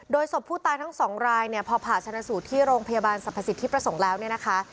ศพผู้ตายทั้งสองรายเนี่ยพอผ่าชนะสูตรที่โรงพยาบาลสรรพสิทธิประสงค์แล้วเนี่ยนะคะ